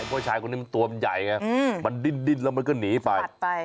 กล้วยชายคนนึงตัวมันใหญ่มาดิ้นแล้วมันก็หนีไป